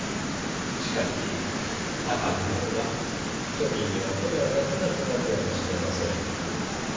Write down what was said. しかし高くなれば庶民には手が出せなくなるやもしれませんな。